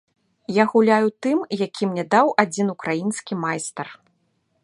Я гуляю тым, які мне даў адзін украінскі майстар.